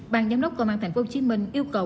bàn giám đốc công an tp hcm yêu cầu